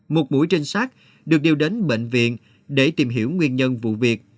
một mũi trên xác được đưa đến bệnh viện để tìm hiểu nguyên nhân vụ việc